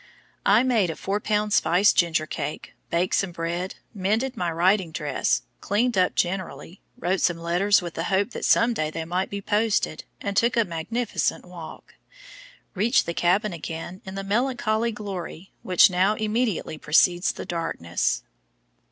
I made a four pound spiced ginger cake, baked some bread, mended my riding dress, cleaned up generally, wrote some letters with the hope that some day they might be posted and took a magnificent walk, reaching the cabin again in the melancholy glory which now immediately precedes the darkness.